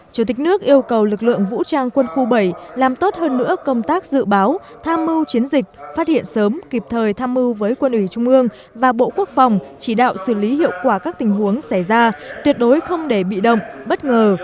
chủ tịch nước yêu cầu lực lượng vũ trang quân khu bảy làm tốt hơn nữa công tác dự báo tham mưu chiến dịch phát hiện sớm kịp thời tham mưu với quân ủy trung ương và bộ quốc phòng chỉ đạo xử lý hiệu quả các tình huống xảy ra tuyệt đối không để bị động bất ngờ